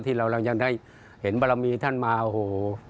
ที่เรายังได้เห็นบารมีท่านมาโอ้โห